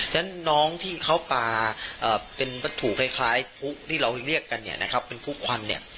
ฉะนั้นน้องที่เขาปลาเป็นวัตถุคล้ายผู้ที่เราเรียกกันเนี่ยนะครับเป็นผู้ควันเนี่ย